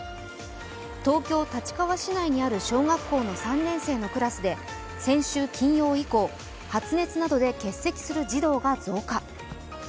東京・立川市内にある小学校の３年生のクラスで、先週金曜以降、発熱などで欠席する児童が増加。